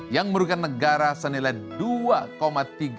yang merugikan negara senilai